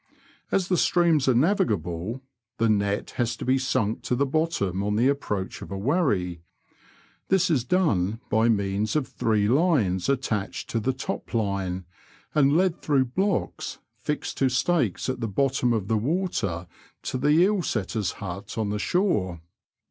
As the streams are navii^ble, the net has to be sank to the bottom on the approach of a wherry ; this is done by means of three lines attached to the top line, and led through blocks fixed to stakes at the bottom of the water to the eel setter's hut on the shore.